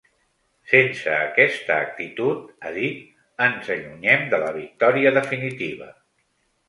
Sense aquesta actitud, ha dit, ‘ens allunyem de la victòria definitiva’.